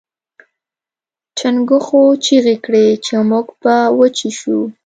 چنګښو چیغې کړې چې موږ به وچې شو.